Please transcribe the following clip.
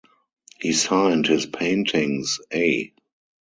He signed his paintings 'A.